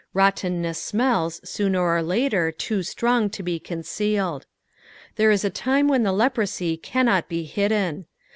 Rottenness smells sooner or lat«r too Btrong to be concealed. There is ft time when the leprosy caunot be hidden.